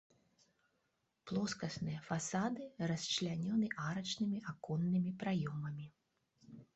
Плоскасныя фасады расчлянёны арачнымі аконнымі праёмамі.